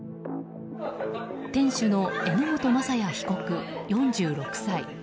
店主の榎本正哉被告、４６歳。